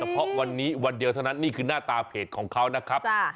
เพราะวันนี้วันเดียวเท่านั้นนี่คือหน้าตาเพจของเขานะครับ